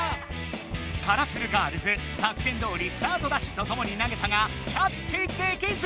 カラフルガールズ作戦どおりスタートダッシュとともに投げたがキャッチできず！